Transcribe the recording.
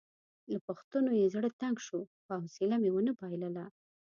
له پوښتنو یې زړه تنګ شو خو حوصله مې ونه بایلله.